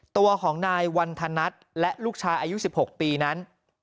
ตัวของนายวันธนัทและลูกชายอายุ๑๖ปีนั้น